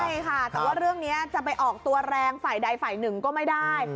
ใช่ค่ะแต่ว่าเรื่องนี้จะไปออกตัวแรงฝ่ายใดฝ่ายหนึ่งก็ไม่ได้